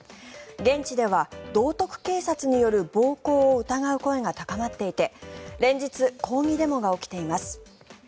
現地では、道徳警察による暴行を疑う声が高まっていて連日、抗議デモが起きています。